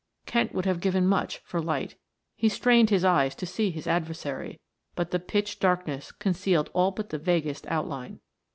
Kent would have given much for light. He strained his eyes to see his adversary, but the pitch darkness concealed all but the vaguest outline.